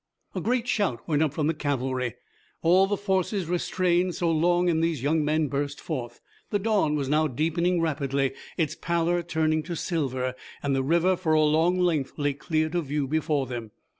A great shout went up from the cavalry. All the forces restrained so long in these young men burst forth. The dawn was now deepening rapidly, its pallor turning to silver, and the river, for a long length, lay clear to view before them.